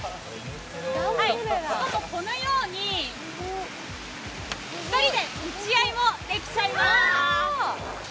しかも、このように２人で撃ち合いもできちゃいます。